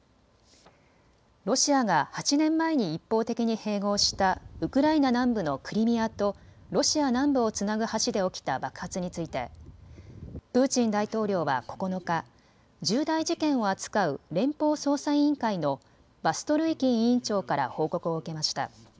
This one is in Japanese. ロシアが８年前に一方的に併合したウクライナ南部のクリミアとロシア南部をつなぐ橋で起きた爆発についてプーチン大統領は９日、重大事件を扱う連邦捜査委員会のバストルイキン委員長から報告を受けました。